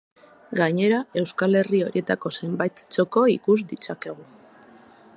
Gainera, euskal herri horietako zenbait txoko ikus ditzakegu.